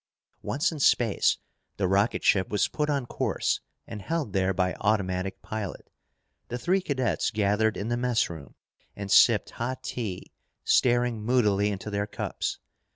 Once in space, the rocket ship was put on course and held there by automatic pilot. The three cadets gathered in the messroom and sipped hot tea, staring moodily into their cups.